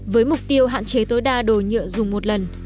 với mục tiêu hạn chế tối đa đồ nhựa dùng một lần